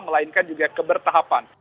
melainkan juga kebertahapan